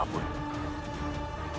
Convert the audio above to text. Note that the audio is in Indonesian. ampun gusti prabu